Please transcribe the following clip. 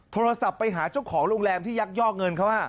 โทรศัพท์ไปหาเจ้าของโรงแรมที่ยักยอกเงินเขา